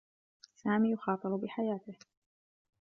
سامي يخاطر بحياته.